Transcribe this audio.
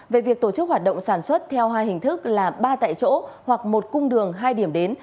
về việc tổ chức hoạt động sản xuất theo hai hình thức là ba tại chỗ hoặc một cung đường hai điểm đến